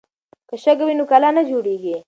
که شګه وي نو کلا نه جوړیږي.